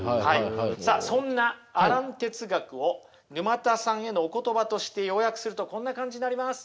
さあそんなアラン哲学を沼田さんへのお言葉として要約するとこんな感じになります。